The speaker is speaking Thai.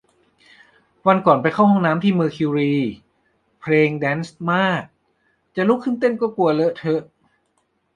วันก่อนไปเข้าห้องน้ำที่เมอร์คิวรี เพลงแดนซ์มาก จะลุกขึ้นเต้นก็กลัวเลอะเทอะ